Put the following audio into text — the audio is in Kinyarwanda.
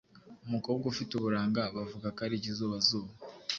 Umukobwa ufite uburanga bavuga ko ari ikizubazuba.